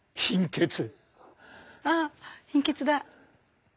あっ貧血だ。